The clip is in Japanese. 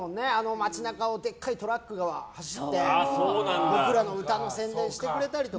街中をでかいトラックが走って僕らの歌の宣伝してくれたりとか。